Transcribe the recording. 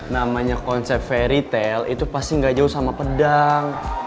namanya konsep fairytale itu pasti gak jauh sama pedang